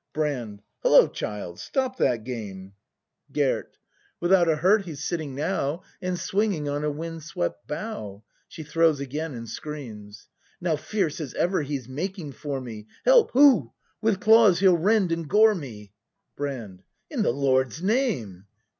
] Brand. Hullo, child, stop that game! 50 BRAND [ACT i Gerd. Without a hurt he's sitting now, And swinging on a wind swept bough! [She throws again and screams.] Now fierce as ever he's making for me. Help! Hoo! With claws he'll rend and gore me. Brand. In the Lord's name